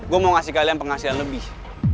gue mau ngasih kalian penghasilan lebih